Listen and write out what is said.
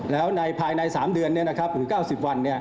แล้วภายใน๓เดือนหรือ๙๐วัน